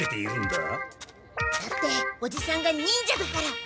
だっておじさんが忍者だから。